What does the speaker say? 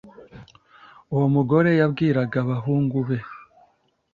uwo mugore yabwiraga abahungu be